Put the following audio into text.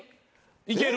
いける？